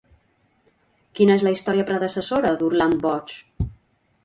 Quina és la història predecessora d'Orland boig?